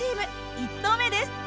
１投目です。